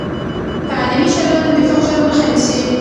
تعلیمي چلند د فقر مخه نیسي.